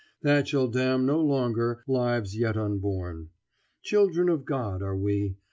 That shall damn no longer lives yet unborn. Children of God are we!